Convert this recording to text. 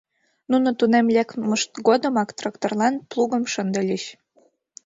Нуно тунем лекмышт годымак тракторлан плугым шындыльыч.